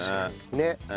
ねっ。